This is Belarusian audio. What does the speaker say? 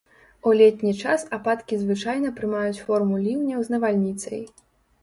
У летні час ападкі звычайна прымаюць форму ліўняў з навальніцай.